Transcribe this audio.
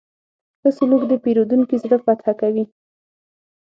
ښه سلوک د پیرودونکي زړه فتح کوي.